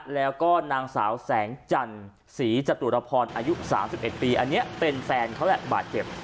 แล้วก็นางสาวแสงจันศรีจตุรพรอายุ๓๑ปีอันนี้เป็นแฟนเขาแหละบาดเจ็บ